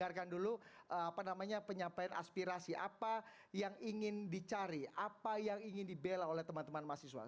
dengarkan dulu apa namanya penyampaian aspirasi apa yang ingin dicari apa yang ingin dibela oleh teman teman mahasiswa